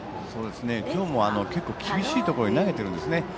今日も結構厳しいところに投げているんですよね。